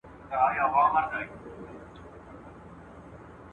ته دوست پیدا که، دښمن پخپله پیدا کیږي ..